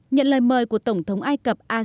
nhận lời mời của tổng thống ai cập assisi